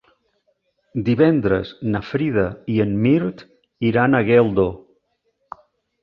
Divendres na Frida i en Mirt iran a Geldo.